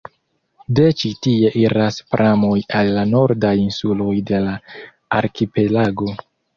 De ĉi tie iras pramoj al la nordaj insuloj de la arkipelago.